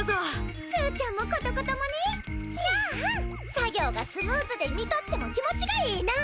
作業がスムーズで見とっても気持ちがええなぁ。